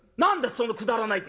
そのくだらないって」。